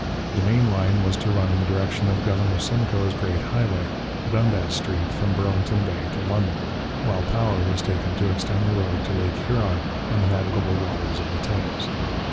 The main line was to run in the direction of Governor Simcoe's great highway, Dundas Street, from Burlington Bay to London, while power was taken to extend the road to Lake Huron and the navigable waters of the Thames.